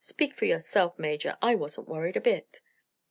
"Speak for yourself, Major. I wasn't worried a bit."